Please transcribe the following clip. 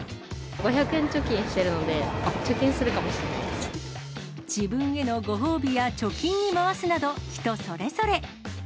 ５００円貯金してるので、自分へのご褒美や、貯金にまわすなど、人それぞれ。